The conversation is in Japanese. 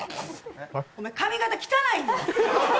お前、髪形汚いぞ。